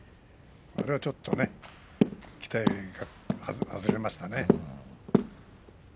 あれはちょっとね期待が外れましたね。